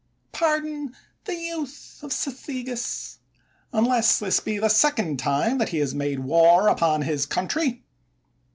Pardon the youth of Cathegus, unless this be the second time that he has made war upon his country.